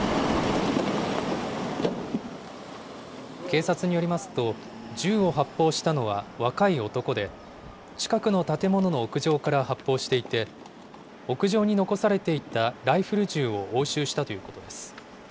警察によりますと、銃を発砲したのは若い男で、近くの建物の屋上から発砲していて、屋上に残されていたライフル銃を押収したということです。